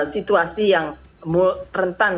situasi yang rentan